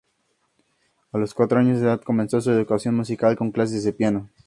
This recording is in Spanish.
A los cuatro años de edad, comenzó su educación musical con clases de piano.